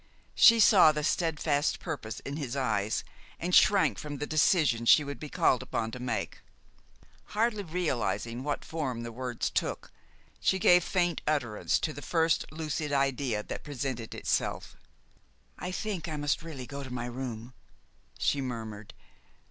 She saw the steadfast purpose in his eyes, and shrank from the decision she would be called upon to make. Hardly realizing what form the words took, she gave faint utterance to the first lucid idea that presented itself. "I think I must really go to my room," she murmured.